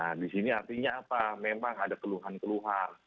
nah di sini artinya apa memang ada keluhan keluhan